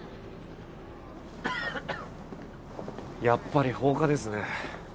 やっぱり放火ですね。